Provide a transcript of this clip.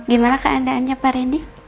gimana keadaannya pak reni